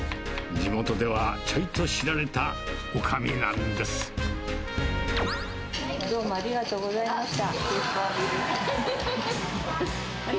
地元ではちょいと知られたおかみどうもありがとうございました。